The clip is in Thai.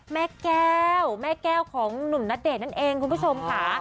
แม่แก้วแม่แก้วของหนุ่มณเดชน์นั่นเองคุณผู้ชมค่ะ